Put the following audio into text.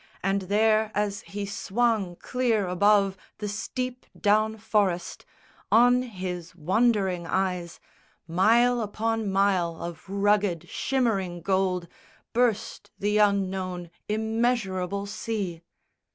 And there, as he swung clear above The steep down forest, on his wondering eyes, Mile upon mile of rugged shimmering gold, Burst the unknown immeasurable sea.